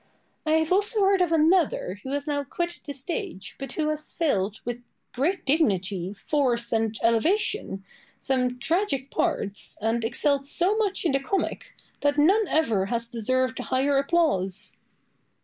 I have also heard of another, who has now quitted the stage, but who had filled, with great dignity, force, and elevation, some tragic parts, and excelled so much in the comic, that none ever has deserved a higher applause.